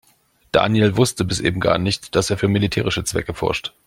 Daniel wusste bis eben gar nicht, dass er für militärische Zwecke forscht.